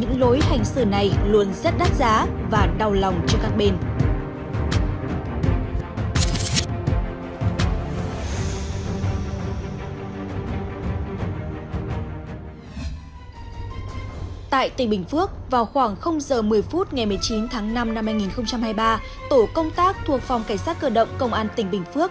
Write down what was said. h một mươi phút ngày một mươi chín tháng năm năm hai nghìn hai mươi ba tổ công tác thuộc phòng cảnh sát cơ động công an tỉnh bình phước